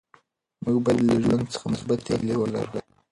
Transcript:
موږ باید له ژوند څخه مثبتې هیلې ولرو.